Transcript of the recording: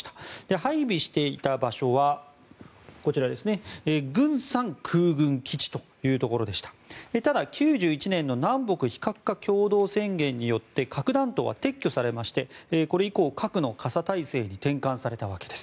配備していた場所はこちら群山空軍基地というところでしたただ、９１年の南北非核化共同宣言によって核弾頭は撤去されましてこれ以降核の傘体制に転換されたわけです。